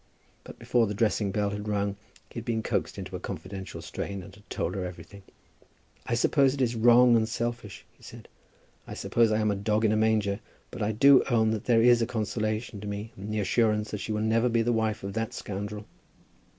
But before the dressing bell had rung he had been coaxed into a confidential strain and had told everything. "I suppose it is wrong and selfish," he said. "I suppose I am a dog in a manger. But I do own that there is a consolation to me in the assurance that she will never be the wife of that scoundrel."